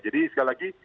jadi sekali lagi